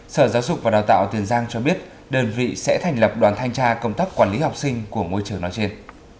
sở giáo dục và đào tạo tiền giang cho biết đơn vị sẽ thành lập đoàn thanh tra công tác quản lý học sinh của môi trường nói trên